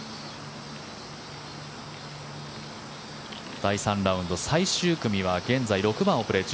第３ラウンド、最終組は現在、６番をプレー中。